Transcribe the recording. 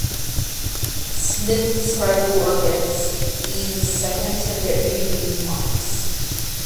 Smith described the work as being his second attempt at "rereading" Marx.